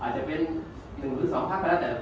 อาจจะเป็น๑หรือ๒พักก็แล้วแต่